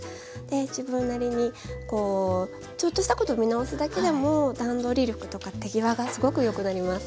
自分なりにこうちょっとしたことを見直すだけでも段取り力とか手際がすごくよくなります。